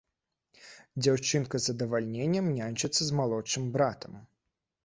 Дзяўчынка з задавальненнем няньчыцца з малодшым братам.